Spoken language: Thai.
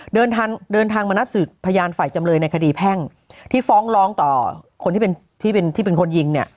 เดินทางมานับสืบพยานฝ่ายจำเลยในคดีแพ่งที่ฟ้องร้องต่อคนที่เป็นคนยิง